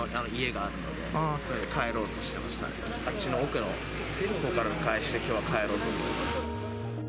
あっちの奥のほうからう回して、きょうは帰ろうと思います。